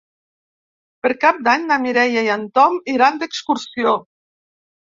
Per Cap d'Any na Mireia i en Tom iran d'excursió.